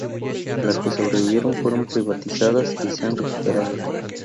Las que sobrevivieron fueron privatizadas y se han recuperado.